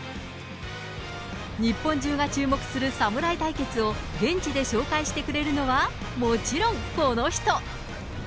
日本中が注目する侍対決を現地で紹介してくれるのはもちろんこの人。